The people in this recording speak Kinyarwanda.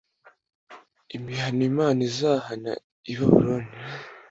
Ibihano Imana izahana i Babuloni